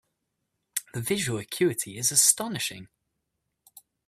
The visual acuity is astonishing.